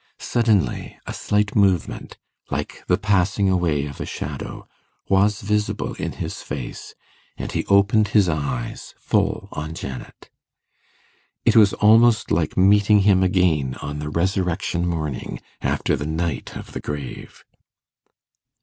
Suddenly a slight movement, like the passing away of a shadow, was visible in his face, and he opened his eyes full on Janet. It was almost like meeting him again on the resurrection morning, after the night of the grave.